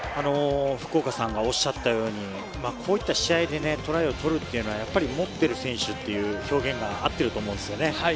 福岡さんもおっしゃったように、こういった試合でトライを取るというのは、やっぱり持ってる選手という表現が合ってると思うんですよね。